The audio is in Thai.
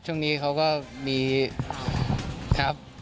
ช่วงนี้เขาก็มีครับ